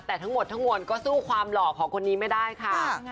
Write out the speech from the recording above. แต่ทั้งหมดก็สู้ความเหลาะของคนนี้ไม่ได้ค่ะ